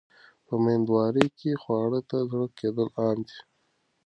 په مېندوارۍ کې خواړو ته زړه کېدل عام دي.